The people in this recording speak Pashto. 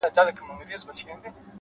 نیک اخلاق د خلکو په یاد پاتې کېږي،